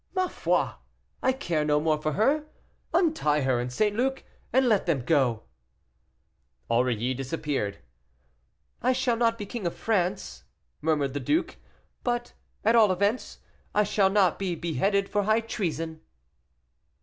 "Ma foi! I care no more for her. Untie her and St. Luc, and let them go." Aurilly disappeared. "I shall not be king of France," murmured the duke, "but, at all events, I shall not be beheaded for high treason."